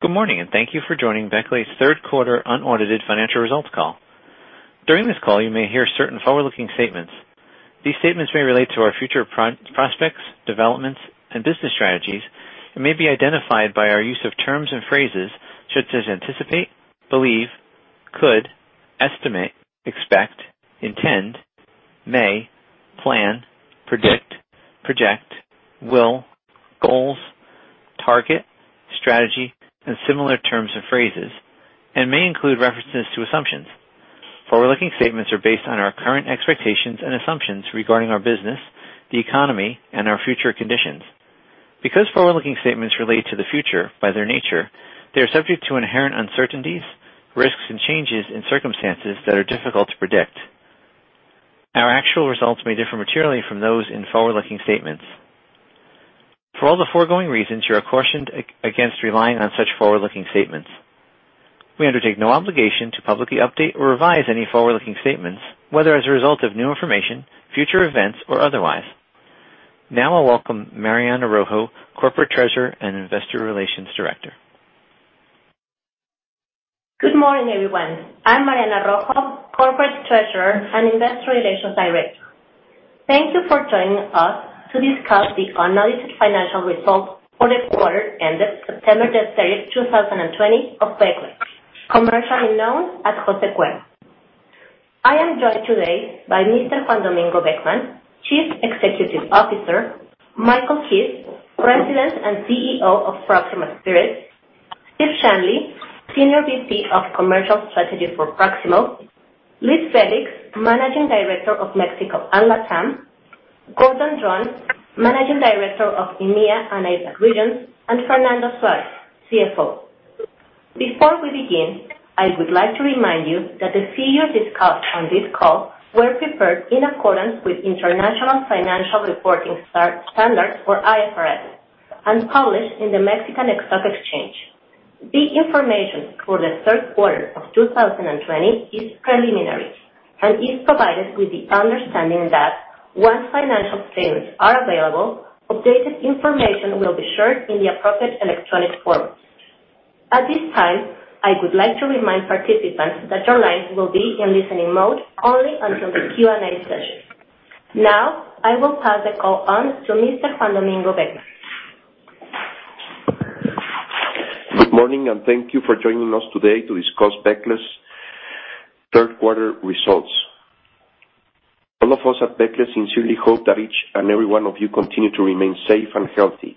Good morning, and thank you for joining Becle's third quarter unaudited financial results call. During this call, you may hear certain forward-looking statements. These statements may relate to our future prospects, developments, and business strategies, and may be identified by our use of terms and phrases such as anticipate, believe, could, estimate, expect, intend, may, plan, predict, project, will, goals, target, strategy, and similar terms and phrases, and may include references to assumptions. Forward-looking statements are based on our current expectations and assumptions regarding our business, the economy, and our future conditions. Because forward-looking statements relate to the future by their nature, they are subject to inherent uncertainties, risks, and changes in circumstances that are difficult to predict. Our actual results may differ materially from those in forward-looking statements. For all the foregoing reasons, you're cautioned against relying on such forward-looking statements. We undertake no obligation to publicly update or revise any forward-looking statements, whether as a result of new information, future events, or otherwise. Now, I'll welcome Mariana Rojo, Corporate Treasurer and Investor Relations Director. Good morning, everyone. I'm Mariana Rojo, Corporate Treasurer and Investor Relations Director. Thank you for joining us to discuss the unaudited financial results for the quarter ended September 30, 2020, of Becle, commercially known as José Cuervo. I am joined today by Mr. Juan Domingo Beckmann, Chief Executive Officer, Michael Keyes, President and CEO of Proximo Spirits, Steve Shanley, Senior VP of Commercial Strategy for Proximo, Luis Félix, Managing Director of Mexico & LatAm, Gordon Dron, Managing Director of EMEA & APAC regions, and Fernando Suárez, CFO. Before we begin, I would like to remind you that the figures discussed on this call were prepared in accordance with International Financial Reporting Standards, or IFRS, and published in the Mexican Stock Exchange. The information for the third quarter of 2020 is preliminary and is provided with the understanding that once financial statements are available, updated information will be shared in the appropriate electronic form. At this time, I would like to remind participants that your lines will be in listening mode only until the Q&A session. Now, I will pass the call on to Mr. Juan Domingo Beckmann. Good morning, and thank you for joining us today to discuss Becle's third quarter results. All of us at Becle sincerely hope that each and every one of you continue to remain safe and healthy,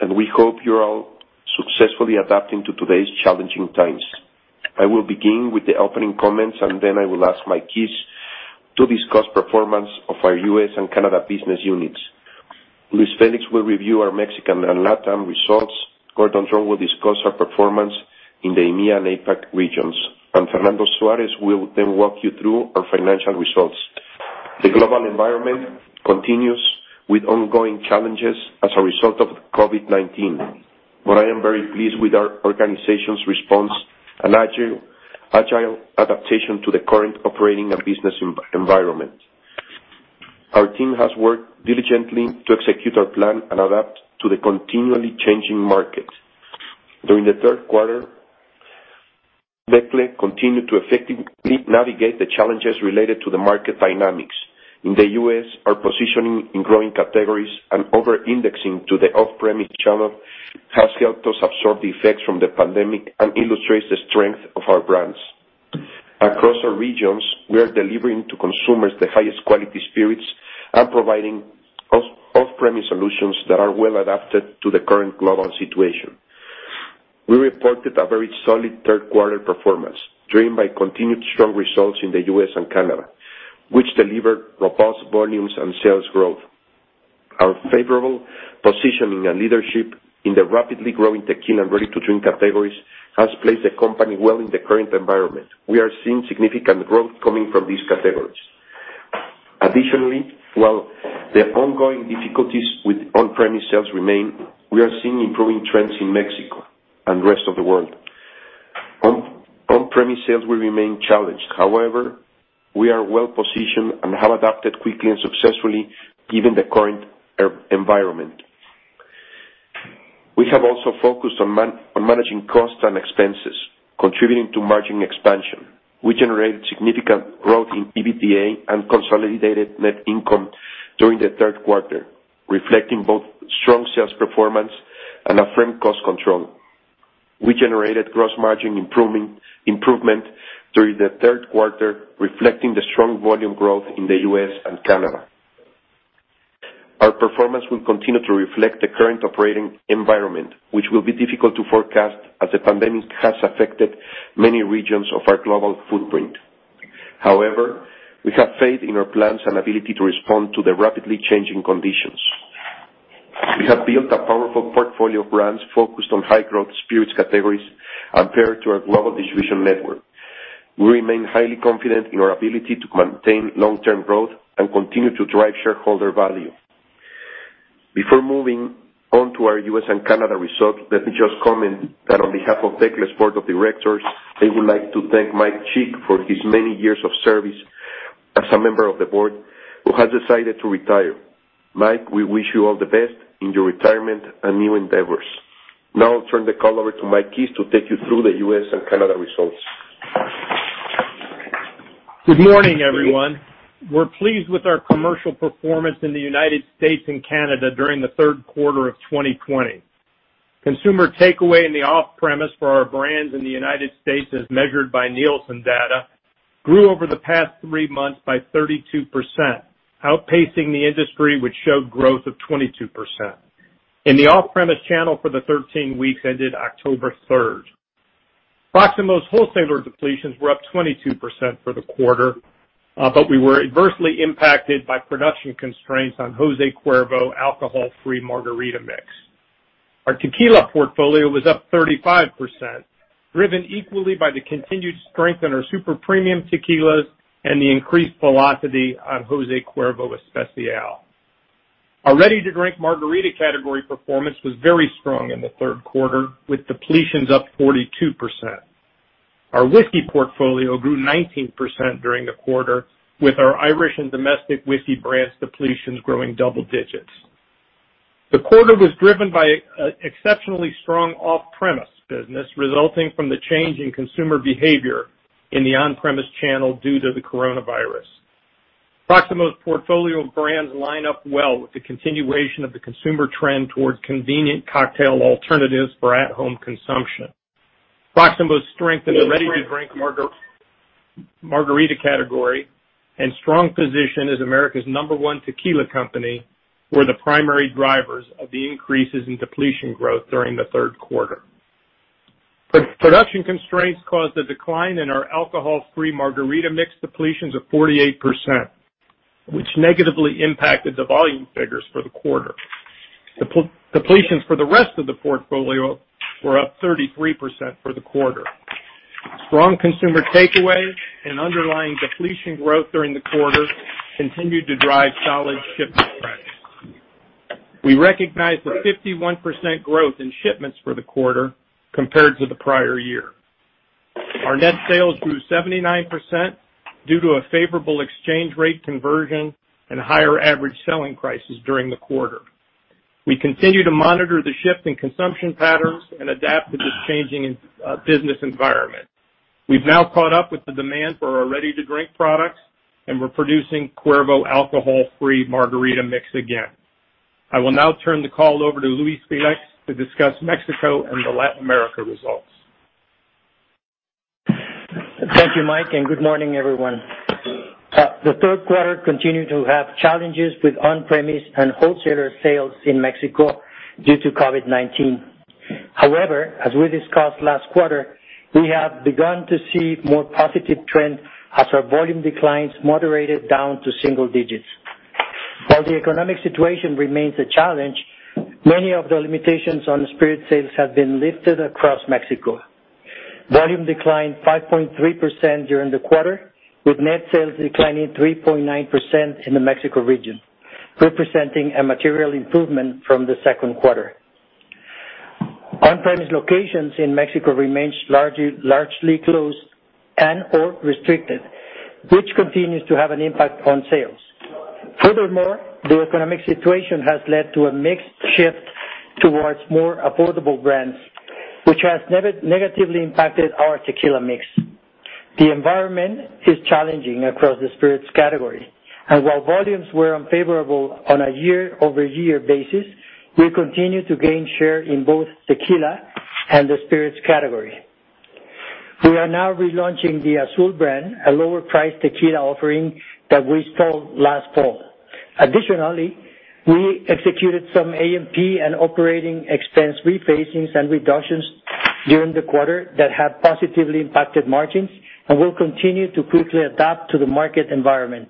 and we hope you're all successfully adapting to today's challenging times. I will begin with the opening comments, and then I will ask Mike Keyes to discuss the performance of our U.S. and Canada business units. Luis Félix will review our Mexican and LatAm results. Gordon Dron will discuss our performance in the EMEA and APAC regions, and Fernando Suárez will then walk you through our financial results. The global environment continues with ongoing challenges as a result of COVID-19, but I am very pleased with our organization's response and agile adaptation to the current operating and business environment. Our team has worked diligently to execute our plan and adapt to the continually changing market. During the third quarter, Becle continued to effectively navigate the challenges related to the market dynamics. In the U.S., our positioning in growing categories and over-indexing to the off-premise channel has helped us absorb the effects from the pandemic and illustrates the strength of our brands. Across our regions, we are delivering to consumers the highest quality spirits and providing off-premise solutions that are well adapted to the current global situation. We reported a very solid third quarter performance driven by continued strong results in the U.S. and Canada, which delivered robust volumes and sales growth. Our favorable positioning and leadership in the rapidly growing tequila and ready-to-drink categories has placed the company well in the current environment. We are seeing significant growth coming from these categories. Additionally, while the ongoing difficulties with on-premise sales remain, we are seeing improving trends in Mexico and the rest of the world. On-premise sales will remain challenged. However, we are well positioned and have adapted quickly and successfully given the current environment. We have also focused on managing costs and expenses, contributing to margin expansion. We generated significant growth in EBITDA and consolidated net income during the third quarter, reflecting both strong sales performance and affirmed cost control. We generated gross margin improvement during the third quarter, reflecting the strong volume growth in the U.S. and Canada. Our performance will continue to reflect the current operating environment, which will be difficult to forecast as the pandemic has affected many regions of our global footprint. However, we have faith in our plans and ability to respond to the rapidly changing conditions. We have built a powerful portfolio of brands focused on high-growth spirits categories and paired to our global distribution network. We remain highly confident in our ability to maintain long-term growth and continue to drive shareholder value. Before moving on to our U.S. and Canada results, let me just comment that on behalf of Becle's Board of Directors, I would like to thank Mike Cheek for his many years of service as a member of the board who has decided to retire. Mike, we wish you all the best in your retirement and new endeavors. Now, I'll turn the call over to Mike Keyes to take you through the U.S. and Canada results. Good morning, everyone. We're pleased with our commercial performance in the United States and Canada during the third quarter of 2020. Consumer takeaway in the off-premise for our brands in the United States, as measured by Nielsen data, grew over the past three months by 32%, outpacing the industry, which showed growth of 22%. In the off-premise channel for the 13 weeks ended October 3rd, Proximo's wholesaler depletions were up 22% for the quarter, but we were adversely impacted by production constraints on José Cuervo alcohol-free margarita mix. Our tequila portfolio was up 35%, driven equally by the continued strength in our super premium tequilas and the increased velocity on José Cuervo Especial. Our ready-to-drink margarita category performance was very strong in the third quarter, with depletions up 42%. Our whiskey portfolio grew 19% during the quarter, with our Irish and domestic whiskey brands' depletions growing double digits. The quarter was driven by an exceptionally strong off-premise business resulting from the change in consumer behavior in the on-premise channel due to the coronavirus. Proximo's portfolio brands line up well with the continuation of the consumer trend towards convenient cocktail alternatives for at-home consumption. Proximo's strength in the ready-to-drink margarita category and strong position as America's number one tequila company were the primary drivers of the increases in depletion growth during the third quarter. Production constraints caused a decline in our alcohol-free margarita mix depletions of 48%, which negatively impacted the volume figures for the quarter. Depletions for the rest of the portfolio were up 33% for the quarter. Strong consumer takeaway and underlying depletion growth during the quarter continued to drive solid shipment track. We recognize a 51% growth in shipments for the quarter compared to the prior year. Our net sales grew 79% due to a favorable exchange rate conversion and higher average selling prices during the quarter. We continue to monitor the shift in consumption patterns and adapt to this changing business environment. We've now caught up with the demand for our ready-to-drink products and we're producing Cuervo alcohol-free margarita mix again. I will now turn the call over to Luis Félix to discuss Mexico and the Latin America results. Thank you, Mike, and good morning, everyone. The third quarter continued to have challenges with on-premise and wholesaler sales in Mexico due to COVID-19. However, as we discussed last quarter, we have begun to see more positive trends as our volume declines moderated down to single digits. While the economic situation remains a challenge, many of the limitations on spirit sales have been lifted across Mexico. Volume declined 5.3% during the quarter, with net sales declining 3.9% in the Mexico region, representing a material improvement from the second quarter. On-premise locations in Mexico remained largely closed and/or restricted, which continues to have an impact on sales. Furthermore, the economic situation has led to a mixed shift towards more affordable brands, which has negatively impacted our tequila mix. The environment is challenging across the spirits category, and while volumes were unfavorable on a year-over-year basis, we continue to gain share in both tequila and the spirits category. We are now relaunching the Azul brand, a lower-priced tequila offering that we sold last fall. Additionally, we executed some A&P and operating expense rephasings and reductions during the quarter that have positively impacted margins and will continue to quickly adapt to the market environment.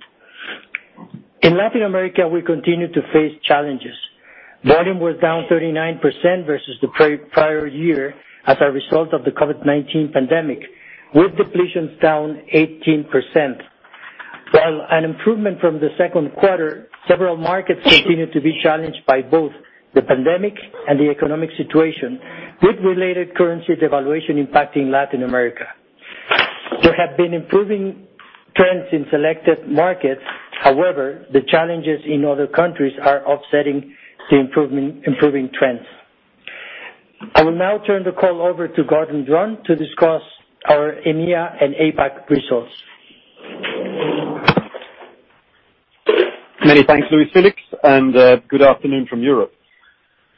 In Latin America, we continue to face challenges. Volume was down 39% versus the prior year as a result of the COVID-19 pandemic, with depletions down 18%. While an improvement from the second quarter, several markets continue to be challenged by both the pandemic and the economic situation, with related currency devaluation impacting Latin America. There have been improving trends in selected markets. However, the challenges in other countries are offsetting the improving trends. I will now turn the call over to Gordon Dron to discuss our EMEA and APAC results. Many thanks, Luis Félix, and good afternoon from Europe.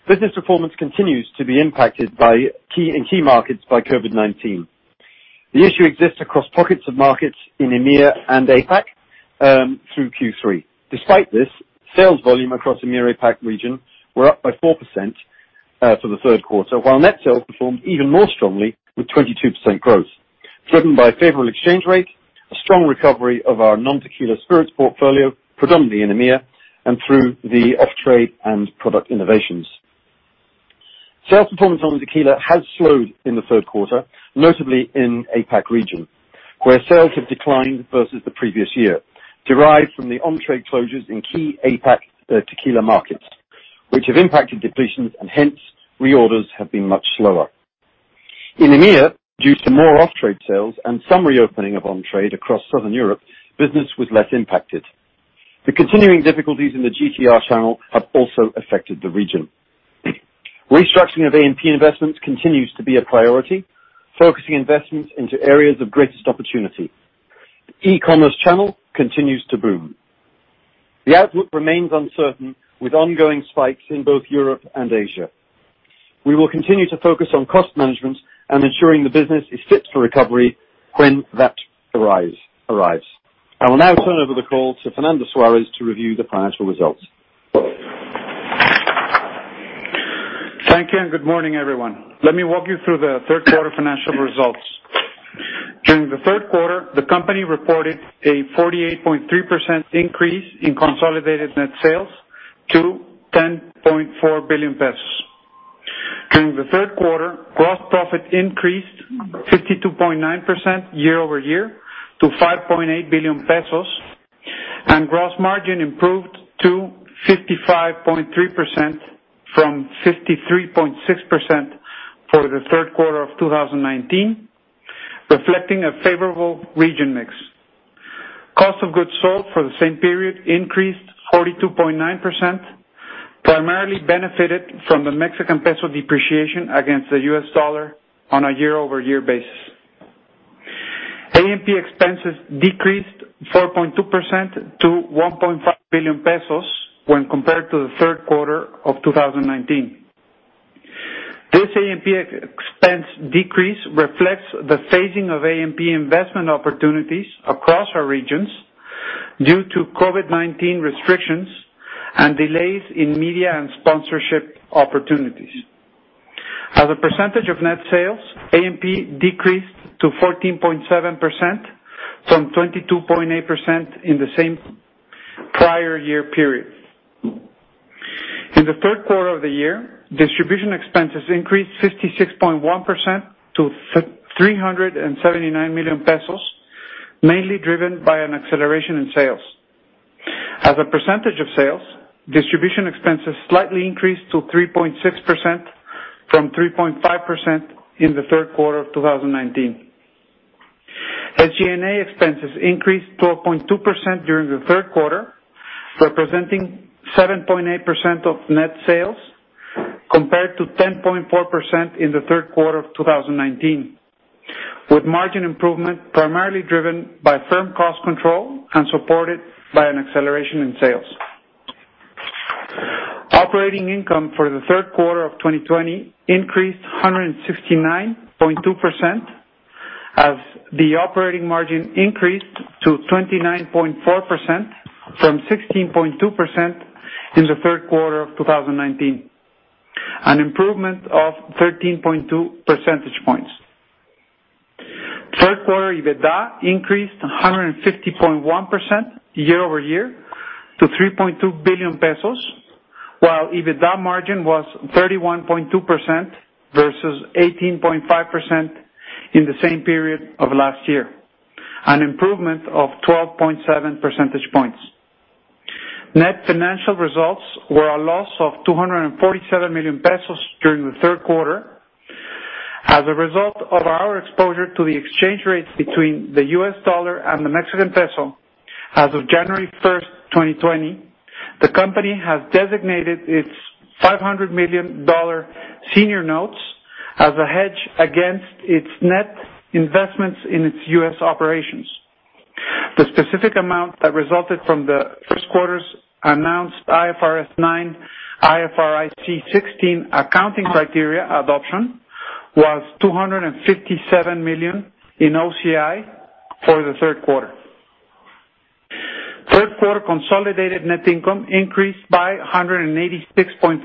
Business performance continues to be impacted in key markets by COVID-19. The issue exists across pockets of markets in EMEA and APAC through Q3. Despite this, sales volume across the EMEA/APAC region were up by 4% for the third quarter, while net sales performed even more strongly with 22% growth, driven by a favorable exchange rate, a strong recovery of our non-tequila spirits portfolio, predominantly in EMEA, and through the off-trade and product innovations. Sales performance on tequila has slowed in the third quarter, notably in the APAC region, where sales have declined versus the previous year, derived from the on-trade closures in key APAC tequila markets, which have impacted depletions, and hence, reorders have been much slower. In EMEA, due to more off-trade sales and some reopening of on-trade across southern Europe, business was less impacted. The continuing difficulties in the GTR channel have also affected the region. Restructuring of A&P investments continues to be a priority, focusing investments into areas of greatest opportunity. The e-commerce channel continues to boom. The outlook remains uncertain, with ongoing spikes in both Europe and Asia. We will continue to focus on cost management and ensuring the business is fit for recovery when that arrives. I will now turn over the call to Fernando Suárez to review the financial results. Thank you, and good morning, everyone. Let me walk you through the third quarter financial results. During the third quarter, the company reported a 48.3% increase in consolidated net sales to 10.4 billion pesos. During the third quarter, gross profit increased 52.9% year-over-year to 5.8 billion pesos, and gross margin improved to 55.3% from 53.6% for the third quarter of 2019, reflecting a favorable region mix. Cost of goods sold for the same period increased 42.9%, primarily benefited from the Mexican peso depreciation against the US dollar on a year-over-year basis. A&P expenses decreased 4.2% to 1.5 billion pesos when compared to the third quarter of 2019. This A&P expense decrease reflects the phasing of A&P investment opportunities across our regions due to COVID-19 restrictions and delays in media and sponsorship opportunities. As a percentage of net sales, A&P decreased to 14.7% from 22.8% in the same prior year period. In the third quarter of the year, distribution expenses increased 56.1% to 379 million pesos, mainly driven by an acceleration in sales. As a percentage of sales, distribution expenses slightly increased to 3.6% from 3.5% in the third quarter of 2019. SG&A expenses increased 12.2% during the third quarter, representing 7.8% of net sales compared to 10.4% in the third quarter of 2019, with margin improvement primarily driven by firm cost control and supported by an acceleration in sales. Operating income for the third quarter of 2020 increased 169.2% as the operating margin increased to 29.4% from 16.2% in the third quarter of 2019, an improvement of 13.2 percentage points. Third quarter EBITDA increased 150.1% year-over-year to 3.2 billion pesos, while EBITDA margin was 31.2% versus 18.5% in the same period of last year, an improvement of 12.7 percentage points. Net financial results were a loss of 247 million pesos during the third quarter. As a result of our exposure to the exchange rates between the U.S. dollar and the Mexican peso as of January 1st, 2020, the company has designated its $500 million senior notes as a hedge against its net investments in its U.S. operations. The specific amount that resulted from the first quarter's announced IFRS 9 IFRS 16 accounting criteria adoption was 257 million in OCI for the third quarter. Third quarter consolidated net income increased by 186.4%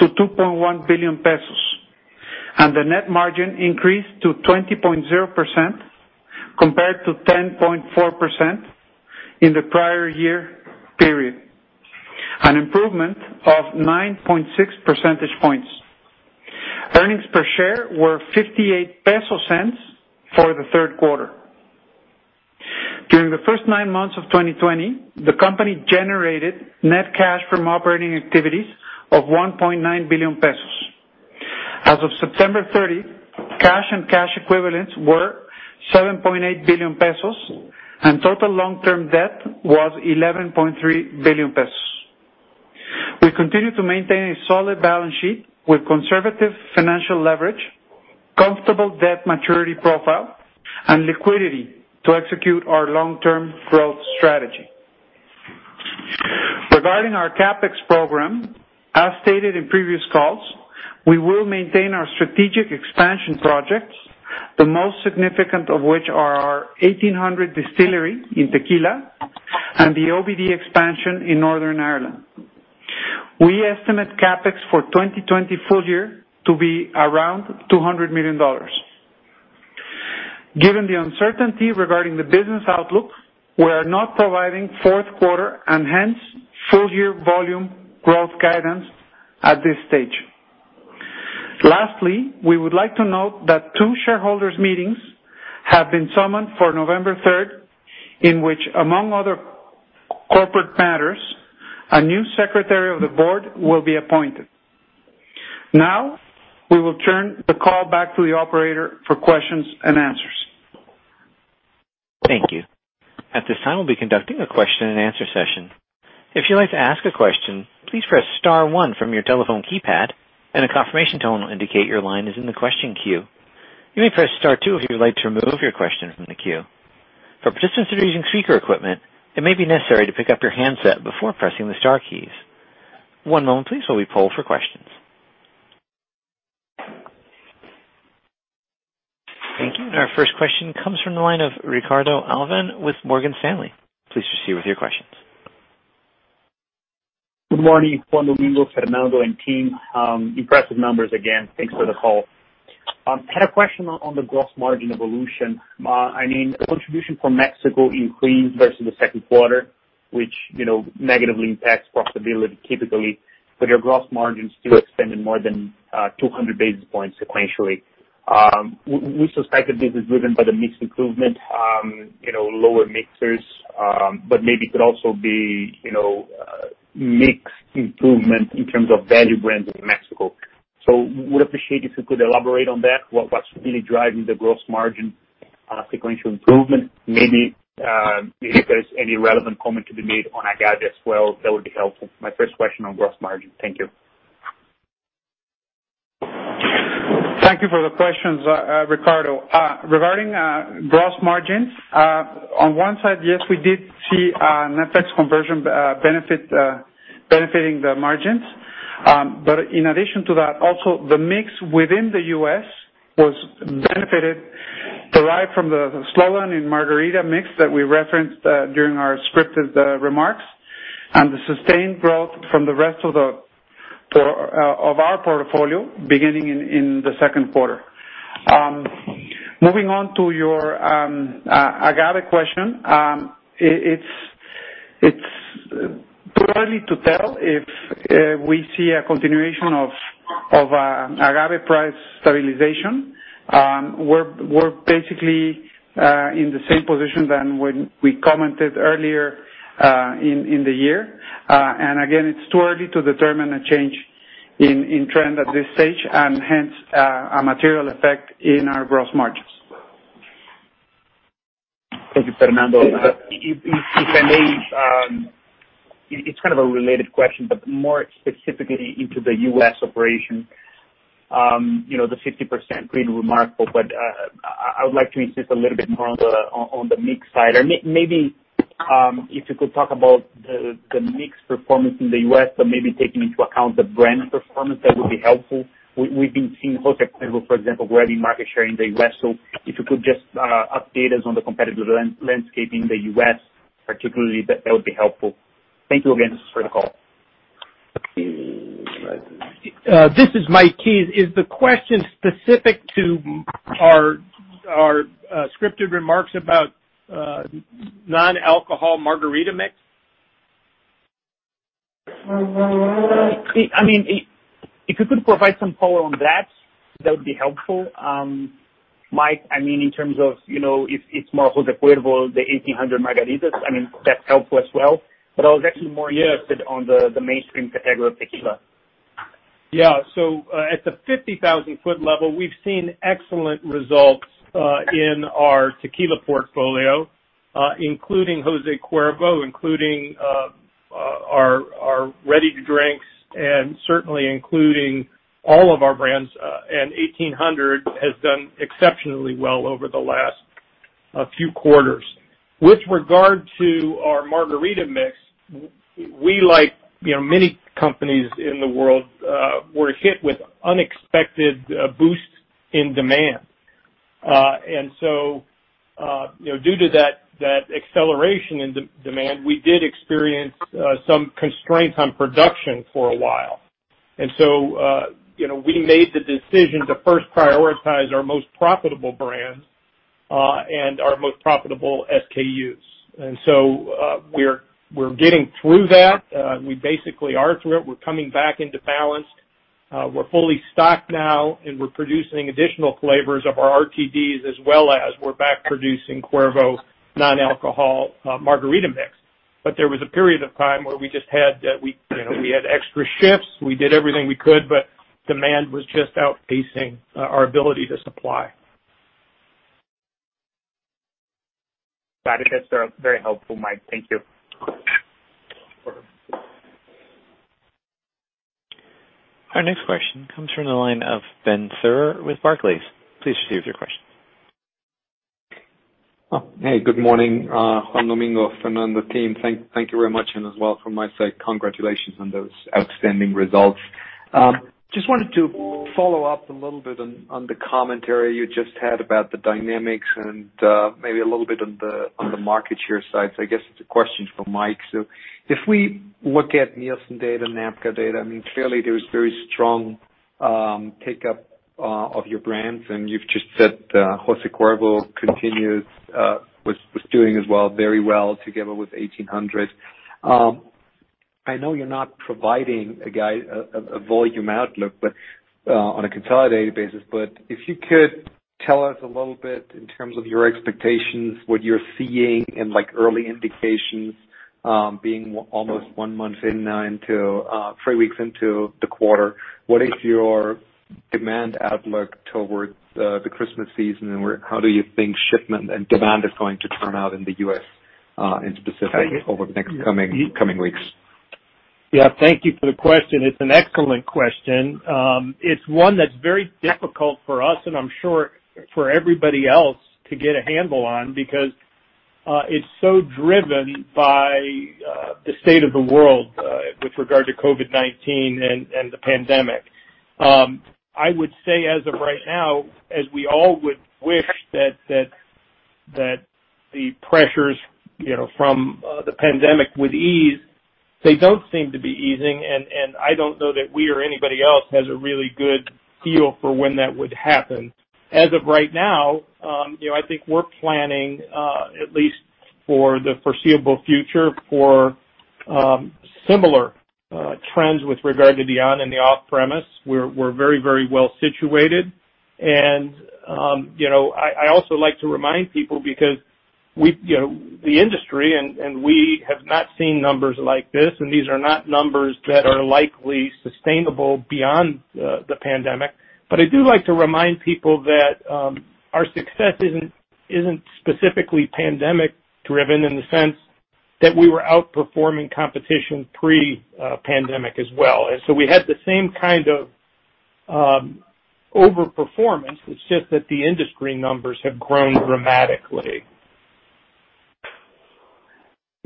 to 2.1 billion pesos, and the net margin increased to 20.0% compared to 10.4% in the prior year period, an improvement of 9.6 percentage points. Earnings per share were 58 peso for the third quarter. During the first nine months of 2020, the company generated net cash from operating activities of 1.9 billion pesos. As of September 30th, cash and cash equivalents were 7.8 billion pesos, and total long-term debt was 11.3 billion pesos. We continue to maintain a solid balance sheet with conservative financial leverage, comfortable debt maturity profile, and liquidity to execute our long-term growth strategy. Regarding our CAPEX program, as stated in previous calls, we will maintain our strategic expansion projects, the most significant of which are our 1800 distillery in Tequila and the OBD expansion in Northern Ireland. We estimate CAPEX for 2020 full year to be around $200 million. Given the uncertainty regarding the business outlook, we are not providing fourth quarter and hence full year volume growth guidance at this stage. Lastly, we would like to note that two shareholders' meetings have been summoned for November 3rd, in which, among other corporate matters, a new secretary of the board will be appointed. Now, we will turn the call back to the operator for questions and answers. Thank you. At this time, we'll be conducting a question and answer session. If you'd like to ask a question, please press star one from your telephone keypad, and a confirmation tone will indicate your line is in the question queue. You may press star two if you'd like to remove your question from the queue. For participants that are using speaker equipment, it may be necessary to pick up your handset before pressing the star keys. One moment, please, while we pull for questions. Thank you. And our first question comes from the line of Ricardo Alves with Morgan Stanley. Please proceed with your questions. Good morning. Juan Domingo, Fernando and team. Impressive numbers again. Thanks for the call. Had a question on the gross margin evolution. I mean, contribution for Mexico increased versus the second quarter, which negatively impacts profitability typically, but your gross margin still extended more than 200 basis points sequentially. We suspect that this is driven by the mixed improvement, lower mixers, but maybe could also be mixed improvement in terms of value brands in Mexico. So we would appreciate if you could elaborate on that, what's really driving the gross margin sequential improvement. Maybe if there's any relevant comment to be made on agave as well, that would be helpful. My first question on gross margin. Thank you. Thank you for the questions, Ricardo. Regarding gross margins, on one side, yes, we did see net FX conversion benefiting the margins, but in addition to that, also the mix within the U.S. was benefited, derived from the slogan and margarita mix that we referenced during our scripted remarks and the sustained growth from the rest of our portfolio beginning in the second quarter. Moving on to your agave question, it's too early to tell if we see a continuation of agave price stabilization. We're basically in the same position than when we commented earlier in the year. And again, it's too early to determine a change in trend at this stage and hence a material effect in our gross margins. Thank you, Fernando. If I may, it's kind of a related question, but more specifically into the U.S. operation, the 50% really remarkable, but I would like to insist a little bit more on the mixto side. Maybe if you could talk about the mixto performance in the U.S., but maybe taking into account the brand performance, that would be helpful. We've been seeing José Cuervo, for example, grabbing market share in the U.S., so if you could just update us on the competitive landscape in the U.S., particularly, that would be helpful. Thank you again for the call. This is Mike Keyes. Is the question specific to our scripted remarks about non-alcoholic margarita mix? I mean, if you could provide some follow-on on that, that would be helpful. Mike, I mean, in terms of if it's more José Cuervo, the 1800 margaritas, I mean, that's helpful as well, but I was actually more interested on the mainstream category of tequila. Yeah. So at the 50,000-foot level, we've seen excellent results in our tequila portfolio, including José Cuervo, including our ready-to-drinks, and certainly including all of our brands, and 1800 has done exceptionally well over the last few quarters. With regard to our margarita mix, we, like many companies in the world, were hit with unexpected boosts in demand. And so due to that acceleration in demand, we did experience some constraints on production for a while. And so we made the decision to first prioritize our most profitable brands and our most profitable SKUs. And so we're getting through that. We basically are through it. We're coming back into balance. We're fully stocked now, and we're producing additional flavors of our RTDs as well as we're back producing Cuervo non-alcoholic margarita mix. But there was a period of time where we just had extra shifts. We did everything we could, but demand was just outpacing our ability to supply. That is very helpful, Mike. Thank you. Our next question comes from the line of Ben Theurer with Barclays. Please proceed with your questions. Hey, good morning. Juan Domingo, Fernando team, thank you very much, and as well from my side, congratulations on those outstanding results. Just wanted to follow up a little bit on the commentary you just had about the dynamics and maybe a little bit on the market share side. So I guess it's a question for Mike. So if we look at Nielsen data, NABCA data, I mean, clearly there's very strong pickup of your brands, and you've just said José Cuervo continues was doing as well, very well together with 1800. I know you're not providing a volume outlook on a consolidated basis, but if you could tell us a little bit in terms of your expectations, what you're seeing in early indications being almost one month into three weeks into the quarter, what is your demand outlook towards the Christmas season? How do you think shipment and demand is going to turn out in the U.S. and specifically over the next coming weeks? Yeah. Thank you for the question. It's an excellent question. It's one that's very difficult for us, and I'm sure for everybody else to get a handle on because it's so driven by the state of the world with regard to COVID-19 and the pandemic. I would say as of right now, as we all would wish that the pressures from the pandemic would ease, they don't seem to be easing, and I don't know that we or anybody else has a really good feel for when that would happen. As of right now, I think we're planning at least for the foreseeable future for similar trends with regard to the on-premise and the off-premise. We're very, very well situated. And I also like to remind people because the industry and we have not seen numbers like this, and these are not numbers that are likely sustainable beyond the pandemic. But I do like to remind people that our success isn't specifically pandemic-driven in the sense that we were outperforming competition pre-pandemic as well. And so we had the same kind of overperformance. It's just that the industry numbers have grown dramatically.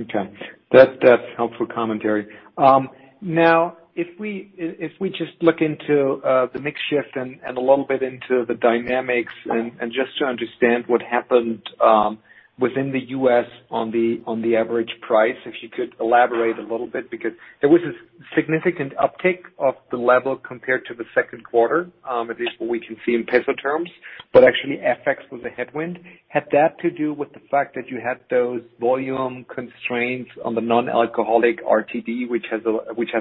Okay. That's helpful commentary. Now, if we just look into the mix shift and a little bit into the dynamics and just to understand what happened within the U.S. on the average price, if you could elaborate a little bit because there was a significant uptick of the level compared to the second quarter, at least what we can see in peso terms, but actually FX was a headwind. Had that to do with the fact that you had those volume constraints on the non-alcoholic RTD, which has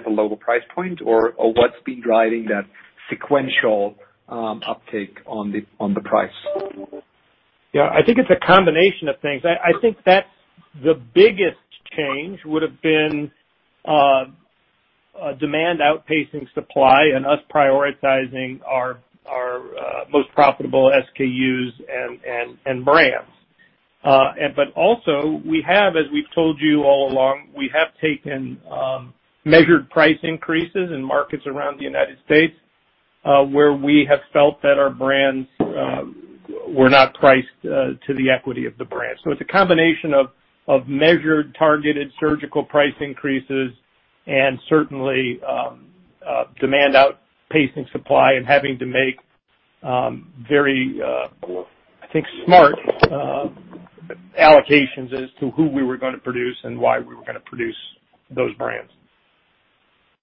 a lower price point, or what's been driving that sequential uptick on the price? Yeah. I think it's a combination of things. I think that the biggest change would have been demand outpacing supply and us prioritizing our most profitable SKUs and brands. But also, as we've told you all along, we have taken measured price increases in markets around the United States where we have felt that our brands were not priced to the equity of the brand. So it's a combination of measured, targeted, surgical price increases, and certainly demand outpacing supply and having to make very, I think, smart allocations as to who we were going to produce and why we were going to produce those brands.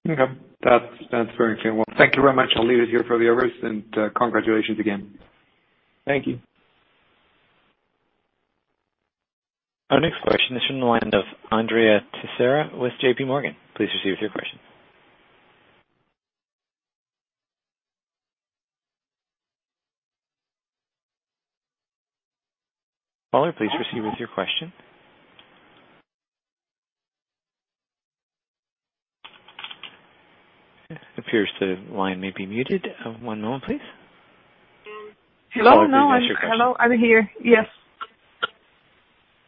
Okay. That's very clear. Thank you very much. I'll leave it here for the others, and congratulations again. Thank you. Our next question is from the line of Andrea Teixeira with JPMorgan. Please proceed with your question. Caller, please proceed with your question. It appears the line may be muted. One moment, please. Hello. Now I'm here. Yes.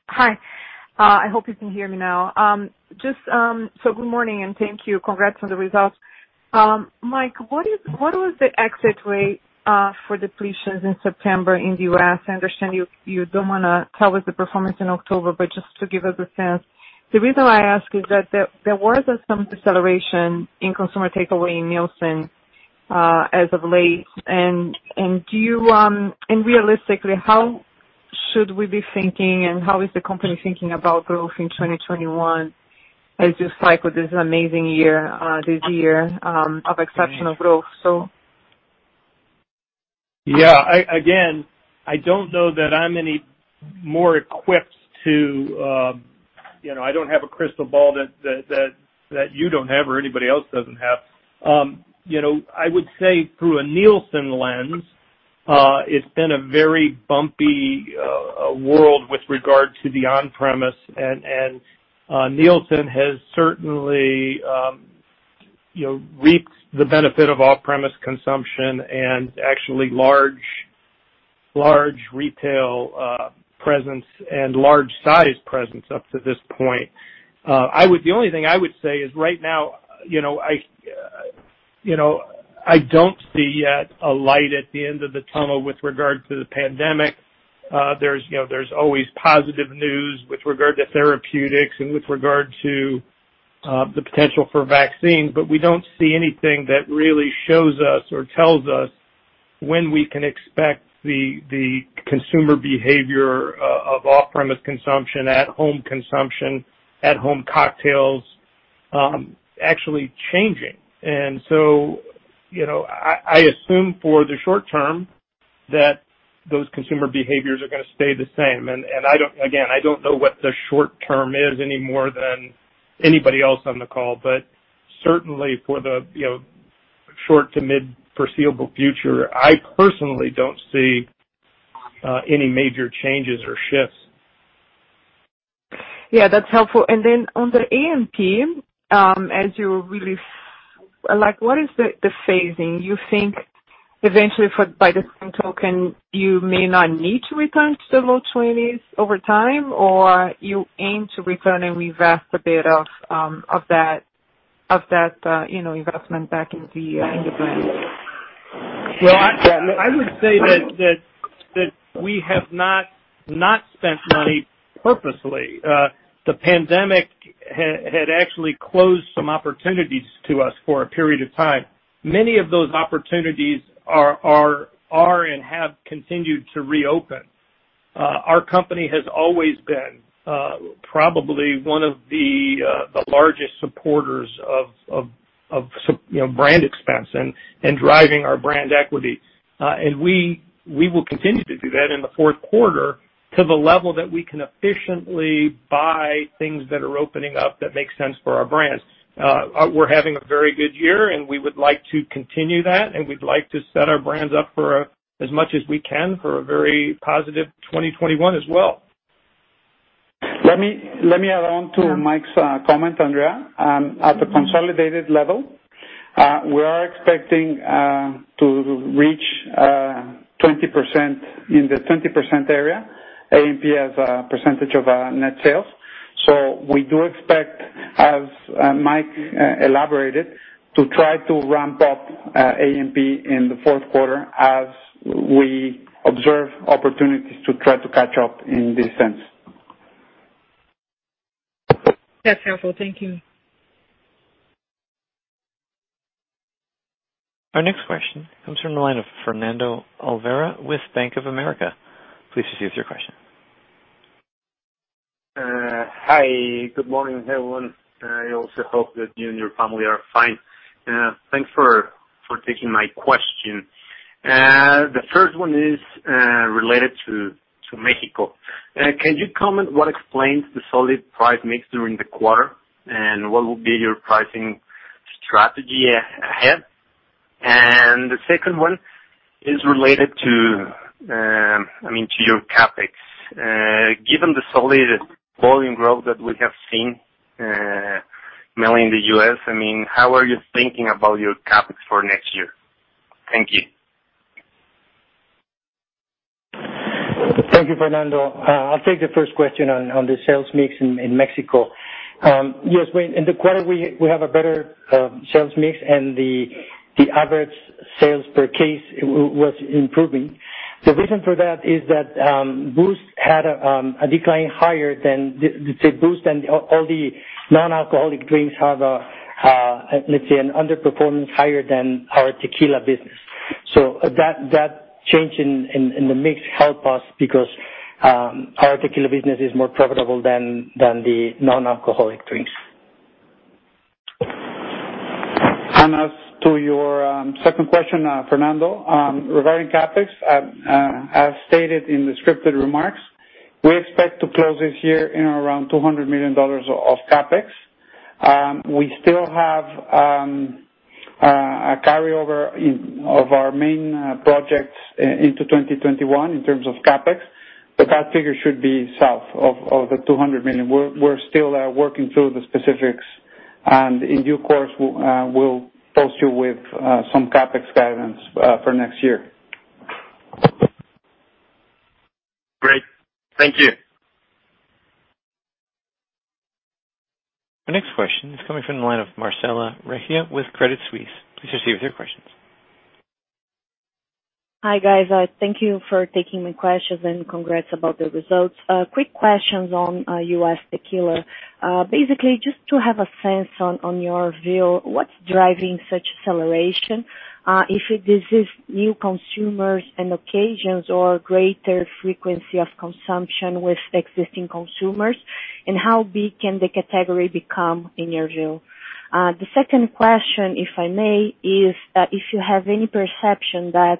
Hi. I hope you can hear me now. So good morning, and thank you. Congrats on the results. Mike, what was the exit rate for depletions in September in the U.S.? I understand you don't want to tell us the performance in October, but just to give us a sense, the reason why I ask is that there was some acceleration in consumer takeaway in Nielsen as of late, and realistically, how should we be thinking, and how is the company thinking about growth in 2021 as you cycle this amazing year, this year of exceptional growth? So. Yeah. Again, I don't know that I'm any more equipped. I don't have a crystal ball that you don't have or anybody else doesn't have. I would say through a Nielsen lens, it's been a very bumpy world with regard to the on-premise, and Nielsen has certainly reaped the benefit of off-premise consumption and actually large retail presence and large-sized presence up to this point. The only thing I would say is right now, I don't see yet a light at the end of the tunnel with regard to the pandemic. There's always positive news with regard to therapeutics and with regard to the potential for vaccines, but we don't see anything that really shows us or tells us when we can expect the consumer behavior of off-premise consumption, at-home consumption, at-home cocktails actually changing. And so I assume for the short term that those consumer behaviors are going to stay the same. And again, I don't know what the short term is any more than anybody else on the call, but certainly for the short to mid-foreseeable future, I personally don't see any major changes or shifts. Yeah. That's helpful. And then on the A&P, as you really like, what is the phasing? You think eventually, by the same token, you may not need to return to the low 20s over time, or you aim to return and reinvest a bit of that investment back in the brand? I would say that we have not spent money purposely. The pandemic had actually closed some opportunities to us for a period of time. Many of those opportunities are and have continued to reopen. Our company has always been probably one of the largest supporters of brand expense and driving our brand equity. And we will continue to do that in the fourth quarter to the level that we can efficiently buy things that are opening up that make sense for our brands. We're having a very good year, and we would like to continue that, and we'd like to set our brands up as much as we can for a very positive 2021 as well. Let me add on to Mike's comment, Andrea. At the consolidated level, we are expecting to reach 20% in the 20% area, A&P as a percentage of net sales. So we do expect, as Mike elaborated, to try to ramp up A&P in the fourth quarter as we observe opportunities to try to catch up in this sense. That's helpful. Thank you. Our next question comes from the line of Fernando Olvera with Bank of America. Please proceed with your question. Hi. Good morning, everyone. I also hope that you and your family are fine. Thanks for taking my question. The first one is related to Mexico. Can you comment on what explains the solid price mix during the quarter, and what will be your pricing strategy ahead? And the second one is related to, I mean, to your CapEx. Given the solid volume growth that we have seen, mainly in the U.S., I mean, how are you thinking about your CapEx for next year? Thank you. Thank you, Fernando. I'll take the first question on the sales mix in Mexico. Yes. In the quarter, we have a better sales mix, and the average sales per case was improving. The reason for that is that Boost had a decline higher than let's say Boost and all the non-alcoholic drinks have, let's say, an underperformance higher than our tequila business. So that change in the mix helped us because our tequila business is more profitable than the non-alcoholic drinks. And as to your second question, Fernando, regarding CapEx, as stated in the scripted remarks, we expect to close this year in and around $200 million of CapEx. We still have a carryover of our main projects into 2021 in terms of CapEx, but that figure should be south of the $200 million. We're still working through the specifics, and in due course, we'll post you with some CapEx guidance for next year. Great. Thank you. Our next question is coming from the line of Marcella Recchia with Credit Suisse. Please proceed with your questions. Hi, guys. Thank you for taking my questions and congrats about the results. Quick questions on U.S. tequila. Basically, just to have a sense on your view, what's driving such acceleration? If it is new consumers and occasions or greater frequency of consumption with existing consumers, and how big can the category become in your view? The second question, if I may, is if you have any perception that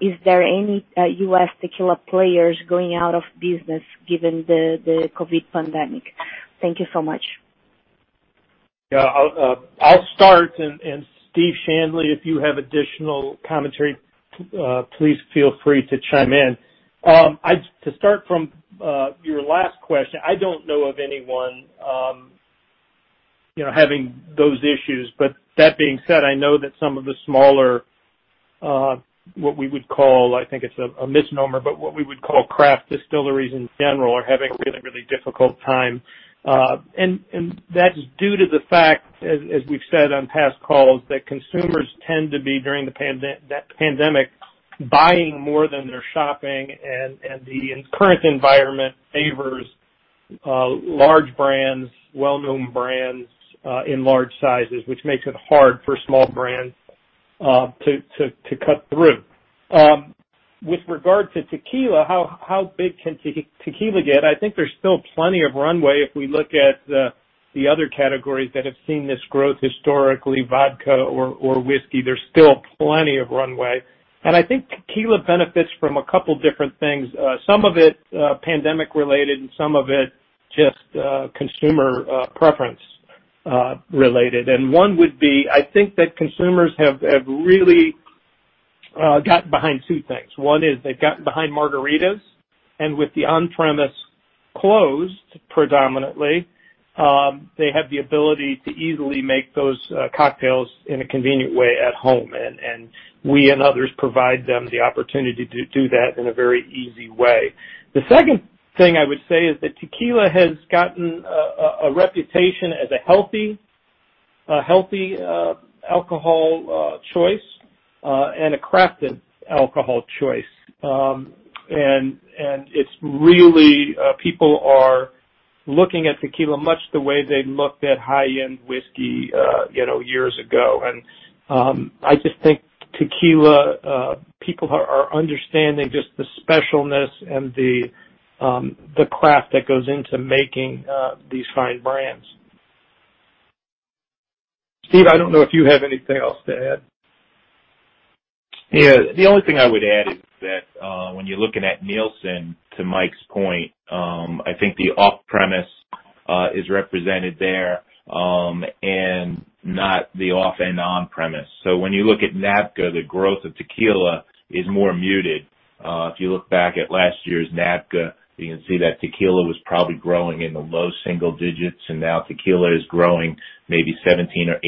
is there any U.S. tequila players going out of business given the COVID pandemic? Thank you so much. Yeah. I'll start, and Steve Shanley, if you have additional commentary, please feel free to chime in. To start from your last question, I don't know of anyone having those issues. But that being said, I know that some of the smaller, what we would call, I think it's a misnomer, but what we would call craft distilleries in general are having a really, really difficult time. And that's due to the fact, as we've said on past calls, that consumers tend to be, during that pandemic, buying more than they're shopping, and the current environment favors large brands, well-known brands in large sizes, which makes it hard for small brands to cut through. With regard to tequila, how big can tequila get? I think there's still plenty of runway if we look at the other categories that have seen this growth historically, vodka or whiskey. There's still plenty of runway, and I think tequila benefits from a couple of different things. Some of it pandemic-related, and some of it just consumer preference-related, and one would be, I think that consumers have really gotten behind two things. One is they've gotten behind margaritas, and with the on-premise closed predominantly, they have the ability to easily make those cocktails in a convenient way at home, and we and others provide them the opportunity to do that in a very easy way. The second thing I would say is that tequila has gotten a reputation as a healthy alcohol choice and a crafted alcohol choice, and people are looking at tequila much the way they looked at high-end whiskey years ago, and I just think tequila, people are understanding just the specialness and the craft that goes into making these fine brands. Steve, I don't know if you have anything else to add. Yeah. The only thing I would add is that when you're looking at Nielsen, to Mike's point, I think the off-premise is represented there and not the off and on-premise. So when you look at NABCA, the growth of tequila is more muted. If you look back at last year's NABCA, you can see that tequila was probably growing in the low single digits, and now tequila is growing maybe 17% or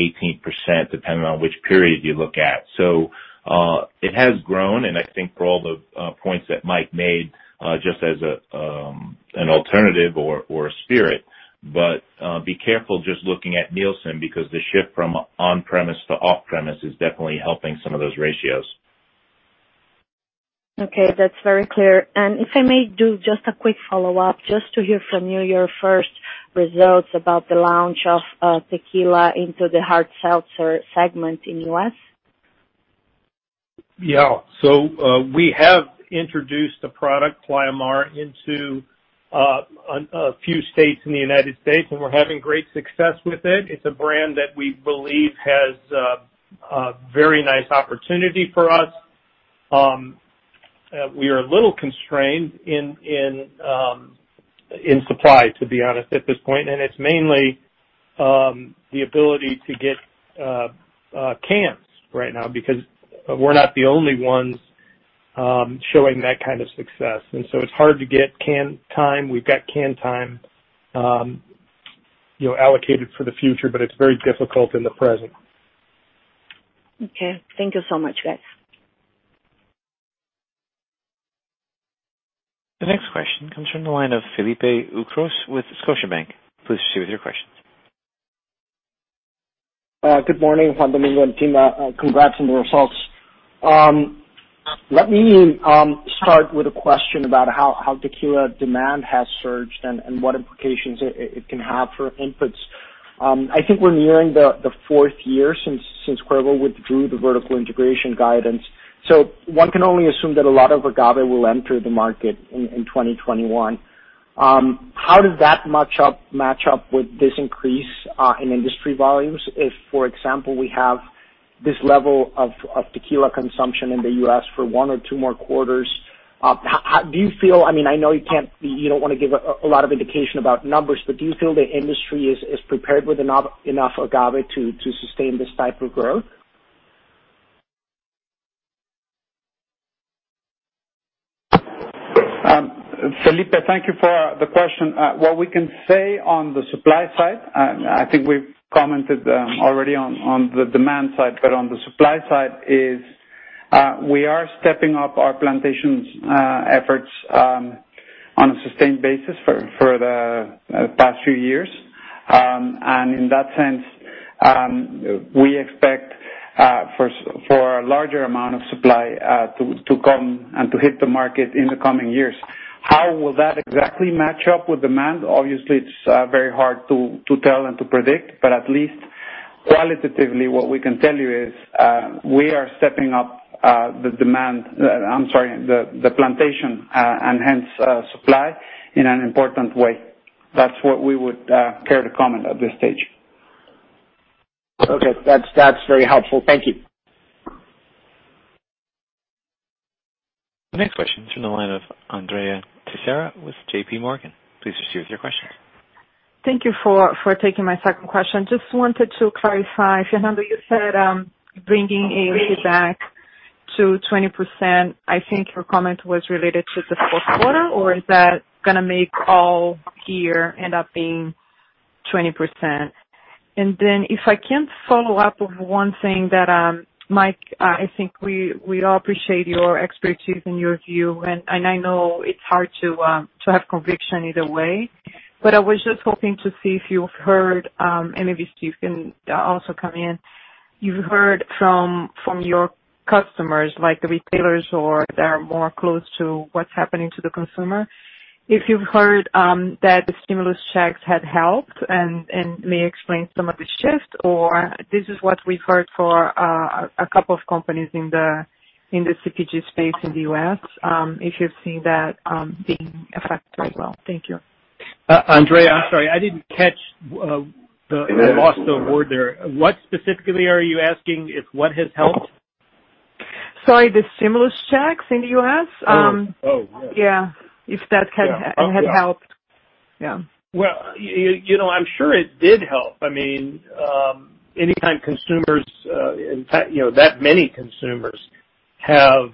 18%, depending on which period you look at. So it has grown, and I think for all the points that Mike made, just as an alternative or a spirit. But be careful just looking at Nielsen because the shift from on-premise to off-premise is definitely helping some of those ratios. Okay. That's very clear. And if I may do just a quick follow-up, just to hear from you your first results about the launch of tequila into the hard seltzer segment in the U.S.? Yeah. So we have introduced a product, Playamar, into a few states in the United States, and we're having great success with it. It's a brand that we believe has a very nice opportunity for us. We are a little constrained in supply, to be honest, at this point, and it's mainly the ability to get cans right now because we're not the only ones showing that kind of success. And so it's hard to get can time. We've got can time allocated for the future, but it's very difficult in the present. Okay. Thank you so much, guys. The next question comes from the line of Felipe Ucros with Scotiabank. Please proceed with your questions. Good morning, Juan Domingo and team. Congrats on the results. Let me start with a question about how tequila demand has surged and what implications it can have for inputs. I think we're nearing the fourth year since Cuervo withdrew the vertical integration guidance. So one can only assume that a lot of agave will enter the market in 2021. How does that match up with this increase in industry volumes if, for example, we have this level of tequila consumption in the U.S. for one or two more quarters? Do you feel, I mean, I know you don't want to give a lot of indication about numbers, but do you feel the industry is prepared with enough agave to sustain this type of growth? Felipe, thank you for the question. What we can say on the supply side, and I think we've commented already on the demand side, but on the supply side is we are stepping up our plantation efforts on a sustained basis for the past few years, and in that sense, we expect for a larger amount of supply to come and to hit the market in the coming years. How will that exactly match up with demand? Obviously, it's very hard to tell and to predict, but at least qualitatively, what we can tell you is we are stepping up the demand, I'm sorry, the plantation and hence supply, in an important way. That's what we would care to comment at this stage. Okay. That's very helpful. Thank you. The next question is from the line of Andrea Teixeira with J.P. Morgan. Please proceed with your questions. Thank you for taking my second question. Just wanted to clarify, Fernando, you said bringing A&P back to 20%. I think your comment was related to the fourth quarter, or is that going to make all year end up being 20%? And then if I can follow up with one thing that Mike, I think we all appreciate your expertise and your view, and I know it's hard to have conviction either way, but I was just hoping to see if you've heard, and maybe Steve can also come in, you've heard from your customers, like the retailers that are more close to what's happening to the consumer. If you've heard that the stimulus checks had helped and may explain some of the shift, or this is what we've heard for a couple of companies in the CPG space in the U.S., if you've seen that being affected as well. Thank you. Andrea, I'm sorry. I didn't catch the last word there. What specifically are you asking? What has helped? Sorry, the stimulus checks in the U.S.? Oh, yeah. Yeah. If that had helped. Yeah. I'm sure it did help. I mean, anytime consumers, in fact, that many consumers, have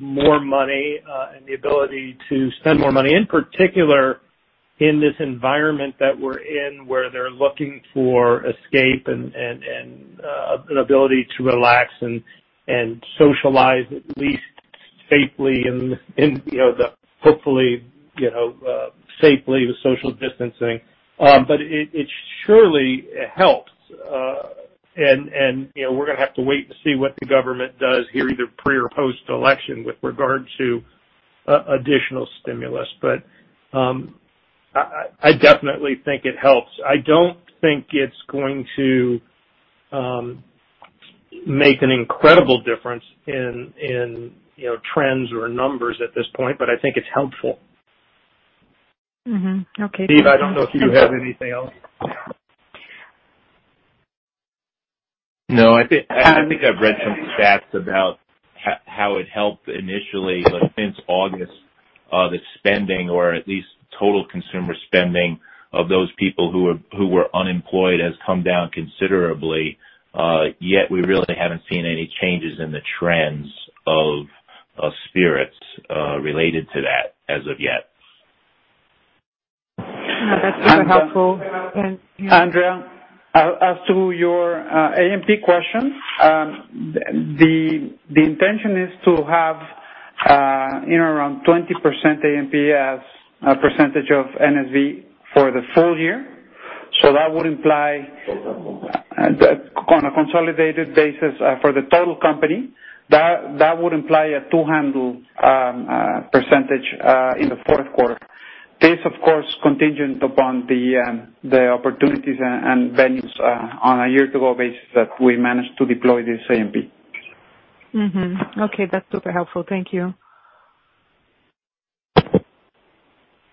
more money and the ability to spend more money, in particular in this environment that we're in where they're looking for escape and an ability to relax and socialize at least safely and hopefully safely with social distancing. But it surely helps, and we're going to have to wait and see what the government does here either pre- or post-election with regard to additional stimulus. But I definitely think it helps. I don't think it's going to make an incredible difference in trends or numbers at this point, but I think it's helpful. Okay. Steve, I don't know if you have anything else. No, I think I've read some stats about how it helped initially, but since August, the spending, or at least total consumer spending of those people who were unemployed, has come down considerably. Yet we really haven't seen any changes in the trends of spirits related to that as of yet. That's very helpful. Andrea, as to your A&P question, the intention is to have around 20% A&P as a percentage of NSV for the full year. So that would imply on a consolidated basis for the total company, that would imply a two-handle percentage in the fourth quarter. This, of course, is contingent upon the opportunities and venues on a year-to-go basis that we managed to deploy this A&P. Okay. That's super helpful. Thank you.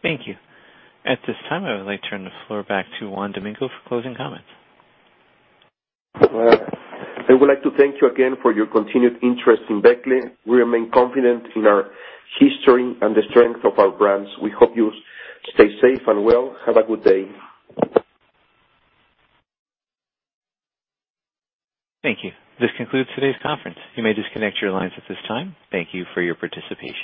Thank you. At this time, I would like to turn the floor back to Juan Domingo for closing comments. I would like to thank you again for your continued interest in Becle. We remain confident in our history and the strength of our brands. We hope you stay safe and well. Have a good day. Thank you. This concludes today's conference. You may disconnect your lines at this time. Thank you for your participation.